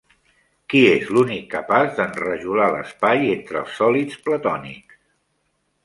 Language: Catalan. Qui és l'únic capaç d'enrajolar l'espai entre els sòlids platònics?